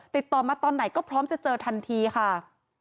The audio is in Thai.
ติดต่อมาตอนไหนก็พร้อมจะเจอทันทีค่ะ